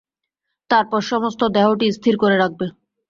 তারপর সমস্ত দেহটি স্থির করে রাখবে।